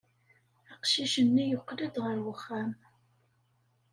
Aqcic-nni yeqqel-d ɣer wexxam.